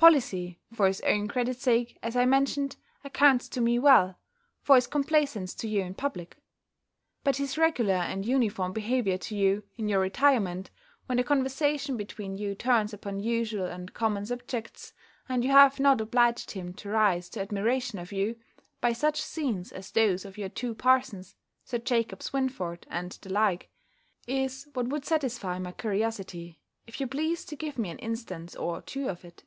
Policy, for his own credit sake, as I mentioned, accounts to me well, for his complaisance to you in public. But his regular and uniform behaviour to you, in your retirement, when the conversation between you turns upon usual and common subjects, and you have not obliged him to rise to admiration of you, by such scenes as those of your two parsons, Sir Jacob Swynford, and the like: is what would satisfy my curiosity, if you please to give me an instance or two of it.